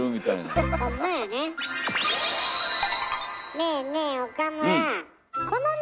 ねえねえ岡村。